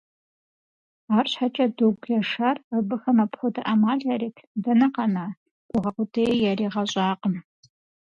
АрщхьэкӀэ Догу Яшар абыхэм апхуэдэ Ӏэмал яритын дэнэ къэна, гугъэ къудеи яригъэщӀакъым.